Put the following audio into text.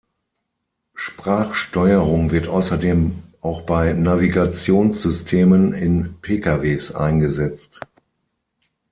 Sprachsteuerung wird außerdem auch bei Navigationssystemen in Pkws eingesetzt.